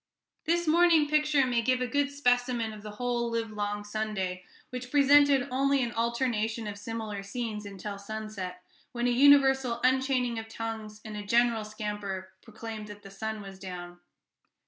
This morning picture may give a good specimen of the whole livelong Sunday, which presented only an alternation of similar scenes until sunset, when a universal unchaining of tongues and a general scamper proclaimed that the "sun was down."